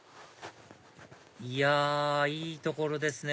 いやいい所ですね